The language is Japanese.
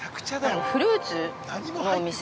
◆フルーツのお店。